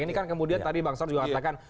ini kan kemudian tadi bang saur juga katakan